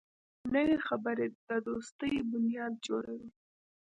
نوې خبرې د دوستۍ بنیاد جوړوي